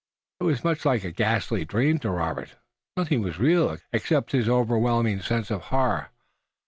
It was much like a ghastly dream to Robert. Nothing was real, except his overwhelming sense of horror.